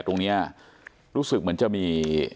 ตรงนี้รู้สึกเหมือนจะมี